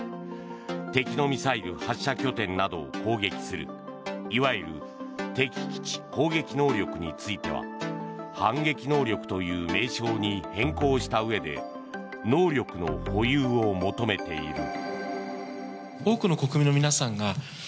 敵のミサイル発射拠点などを攻撃するいわゆる敵基地攻撃能力については反撃能力という名称に変更したうえで能力の保有を求めている。